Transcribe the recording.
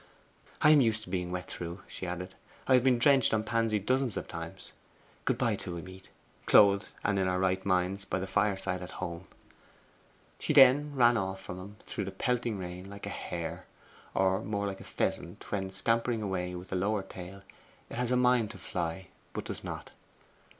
'I am used to being wet through,' she added. 'I have been drenched on Pansy dozens of times. Good bye till we meet, clothed and in our right minds, by the fireside at home!' She then ran off from him through the pelting rain like a hare; or more like a pheasant when, scampering away with a lowered tail, it has a mind to fly, but does not.